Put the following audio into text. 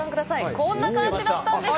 こんな感じだったんです。